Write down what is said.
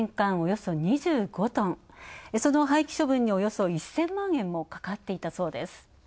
その廃棄処分におよそ１０００万円もかかっていたそうです。